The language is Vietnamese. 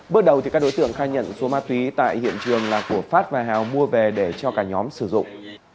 bước đầu các đối tượng khai nhận số ma túy tại hiện trường là của phát và hào mua về để cho cả nhóm sử dụng